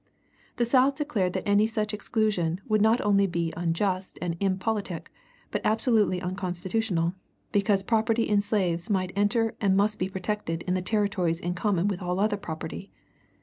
The South declared that any such exclusion would not only be unjust and impolitic, but absolutely unconstitutional, because property in slaves might enter and must be protected in the territories in common with all other property.